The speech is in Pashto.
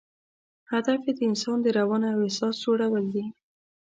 هدف یې د انسان د روان او احساس جوړول دي.